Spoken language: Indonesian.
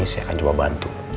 sudah kaya yaudah mas